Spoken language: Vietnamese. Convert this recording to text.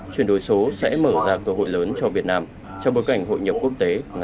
chuyển đổi số sẽ mở ra cơ hội lớn cho việt nam trong bối cảnh hội nhập quốc tế